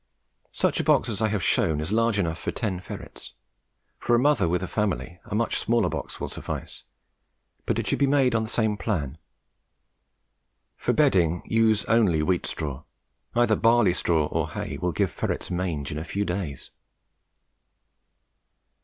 Such a box as I have shown is large enough for ten ferrets. For a mother with a family a much smaller box will suffice, but it should be made on the same plan. For bedding use only wheat straw. Either barley straw or hay will give ferrets mange in a few days.